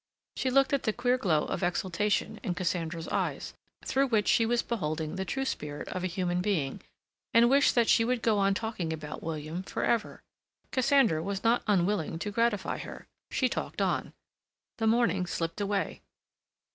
She looked at the queer glow of exaltation in Cassandra's eyes, through which she was beholding the true spirit of a human being, and wished that she would go on talking about William for ever. Cassandra was not unwilling to gratify her. She talked on. The morning slipped away.